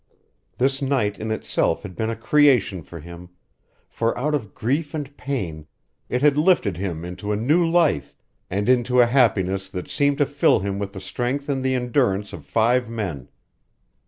This night in itself had been a creation for him, for out of grief and pain it had lifted him into a new life, and into a happiness that seemed to fill him with the strength and the endurance of five men.